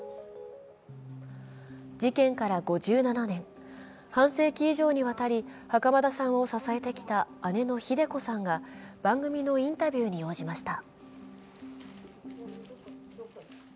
事件から５７年、半世紀以上にわたり、袴田さんを支えてきた姉のひで子さんが番組のインタビューに応じました。